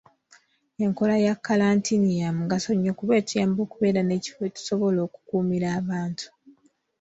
Enkola ya kkalantiini ya mugaso nnyo kuba etuyamba okubeera n'ekifo we tusobola okukuumira abantu.